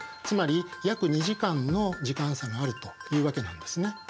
つまり約２時間の時間差があるというわけなんですね。